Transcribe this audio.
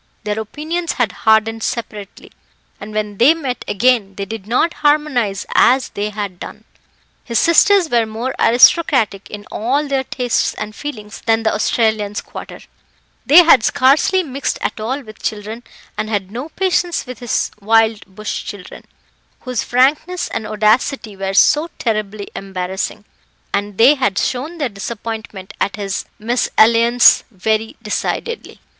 Their opinions had hardened separately, and when they met again they did not harmonize as they had done. His sisters were more aristocratic in all their tastes and feelings than the Australian squatter; they had scarcely mixed at all with children, and had no patience with his wild bush children, whose frankness and audacity were so terribly embarrassing; and they had shown their disappointment at his MESALLIANCE very decidedly.